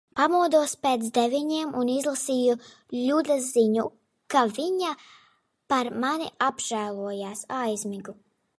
Pamodos pēc deviņiem un izlasīju Ļudas ziņu, ka viņa par mani apžēlojās. Aizmigu.